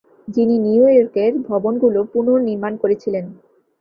যিনি নিউইয়র্কের ভবনগুলো পুনর্নির্মাণ করেছিলেন?